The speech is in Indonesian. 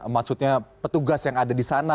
maksudnya petugas yang ada di sana